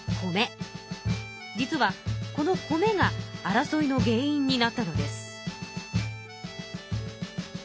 実はこの米が争いの原因になったのです。